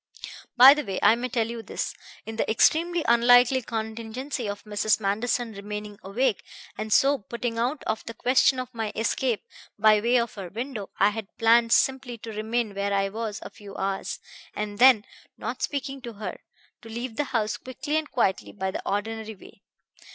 "By the way, I may tell you this: in the extremely unlikely contingency of Mrs. Manderson remaining awake and so putting out of the question my escape by way of her window, I had planned simply to remain where I was a few hours, and then, not speaking to her, to leave the house quickly and quietly by the ordinary way.